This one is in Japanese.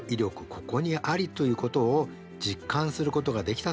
ここにありということを実感することができたと思います。